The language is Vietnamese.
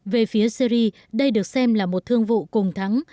về phía syri đây được xem là một thương vụ cùng thắng